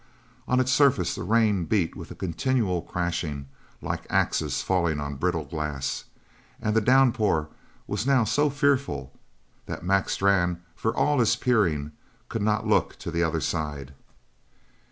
On its surface the rain beat with a continual crashing, like axes falling on brittle glass; and the downpour was now so fearful that Mac Strann, for all his peering, could not look to the other side.